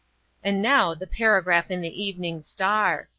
And now the paragraph in the Evening Star.